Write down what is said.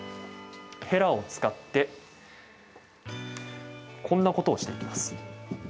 へらを使ってこんなことをしていきます。